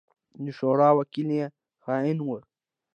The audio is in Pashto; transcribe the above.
د شورا وکيل يې خائن وو.